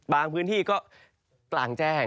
บางพื้นที่ก็ต่างแจ้ง